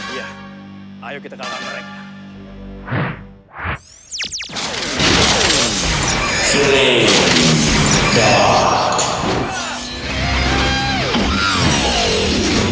iya ayo kita kalahkan mereka